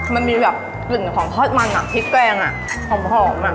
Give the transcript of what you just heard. มันมีกลิ่นของทอดมันพริกแกงหอม